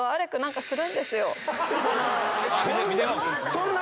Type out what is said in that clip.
「そんな？